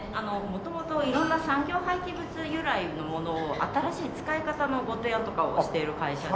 元々色んな産業廃棄物由来のものを新しい使い方のご提案とかをしている会社です。